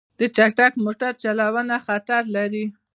چټک موټر چلوونه خطر لري.